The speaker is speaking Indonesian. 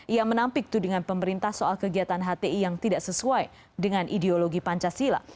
ia menampik tudingan pemerintah soal kegiatan hti yang tidak sesuai dengan ideologi pancasila